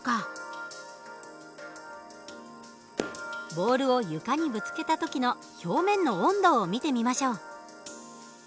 ボールを床にぶつけた時の表面の温度を見てみましょう。